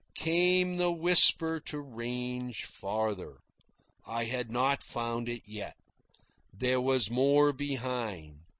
Came the whisper to range farther. I had not found it yet. There was more behind.